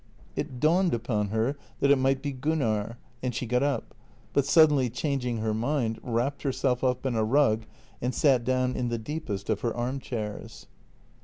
It dawned upon her that it might be Gun nar, and she got up, but, suddenly changing her mind, wrapped herself up in a rug and sat down in the deepest of her arm chairs.